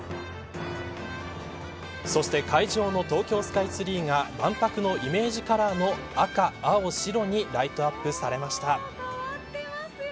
そして、会場の東京スカイツリーが万博のイメージカラーの赤青白にライトアップされました。